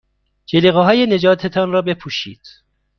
جلیقههای نجات تان را بپوشید.